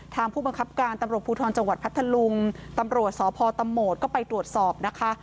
ผู้บังคับการตำรวจภูทรจังหวัดพัทธลุงตำรวจสพตโหมดก็ไปตรวจสอบนะคะ